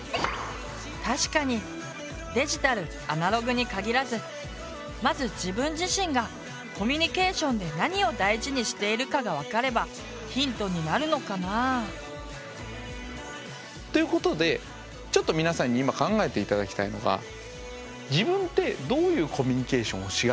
確かにデジタルアナログにかぎらずまず自分自身がコミュニケーションで何を大事にしているかが分かればヒントになるのかな。ということでちょっと皆さんに今考えて頂きたいのが自分ってどういうコミュニケーションをしがちかな。